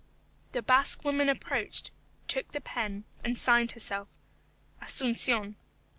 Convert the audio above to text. The Basque woman approached, took the pen, and signed herself, ASUNCION.